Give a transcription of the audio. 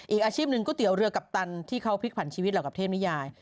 อีกอาชีพนึงกระเตี๋ยวเรือกัปตันที่เขาภิกษภัณฑ์ชีวิตเหล่ากับเทปนิยาย